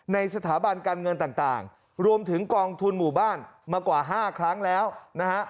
ในสถาบันการเงินต่างรวมถึงกองทุนหมู่บ้านมากว่า๕ครั้งแล้วนะฮะ